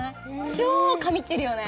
超神ってるよね。